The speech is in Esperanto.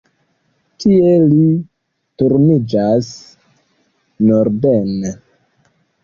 Tie li turniĝas norden.